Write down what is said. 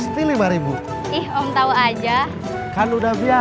terima kasih om